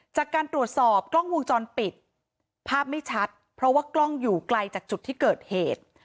จากการตรวจสอบกล้องวงจรปิดภาพไม่ชัดเพราะว่ากล้องอยู่ไกลจากจุดที่เกิดเหตุ